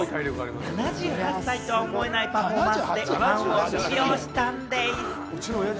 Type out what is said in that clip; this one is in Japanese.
７８歳とは思えないパフォーマンスでファンを魅了したんでぃす！